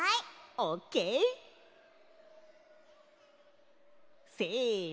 オッケー！せの！